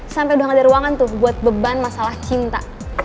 sampai udah gak ada ruangan tuh buat beban masalah cinta